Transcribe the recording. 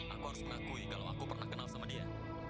aku harus mengakui kalau aku pernah kenal sama dia